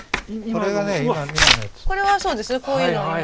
これはそうですねこういうの。